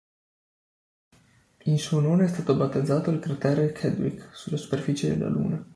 In suo onore è stato battezzato il cratere Chadwick, sulla superficie della Luna.